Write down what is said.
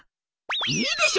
「いいでしょう